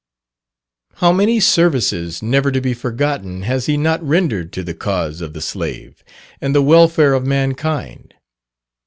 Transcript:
How many services never to be forgotten, has he not rendered to the cause of the slave, and the welfare of mankind!